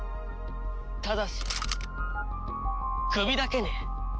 ただし首だけね。